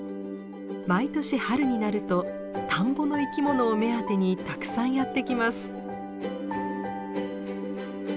毎年春になると田んぼの生き物を目当てにたくさんやって来ます。